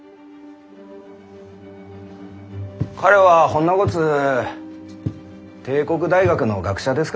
彼はほんなごつ帝国大学の学者ですか？